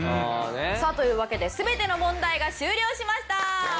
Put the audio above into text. さあというわけで全ての問題が終了しました！